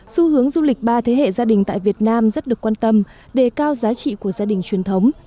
xu hướng du lịch ba thế hệ gia đình tại việt nam rất được quan tâm đề cao giá trị của gia đình truyền thống